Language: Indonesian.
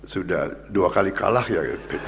sudah dua kali kalah ya